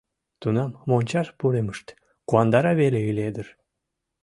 Тунам мончаш пурымышт куандара веле ыле дыр.